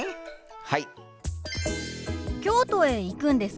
はい。